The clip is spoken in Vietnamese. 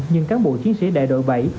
nhưng cán bộ chiến sĩ đại đội bảy